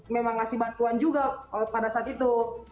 memang ngasih bantuan juga pada saat itu